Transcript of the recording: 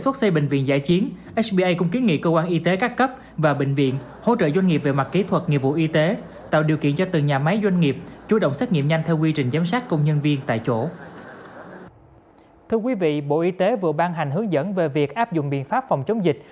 thưa quý vị bộ y tế vừa ban hành hướng dẫn về việc áp dụng biện pháp phòng chống dịch